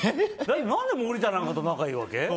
何で森田なんかと仲いいわけ？